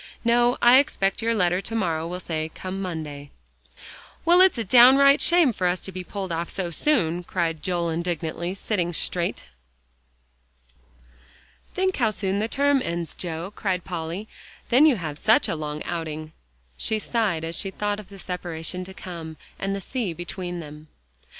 "No, I expect your letter to morrow will say 'Come Monday.'" "Well, it's a downright shame for us to be pulled off so soon," cried Joel indignantly, sitting straight. "Think how soon the term ends, Joe," cried Polly, "then you have such a long outing." She sighed as she thought of the separation to come, and the sea between them.